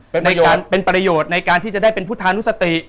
เป็นการเป็นประโยชน์ในการที่จะได้เป็นพุทธานุสติ